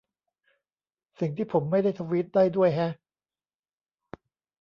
สิ่งที่ผมไม่ได้ทวีตได้ด้วยแฮะ